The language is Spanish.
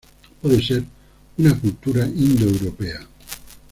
Puede ser una cultura indoeuropea.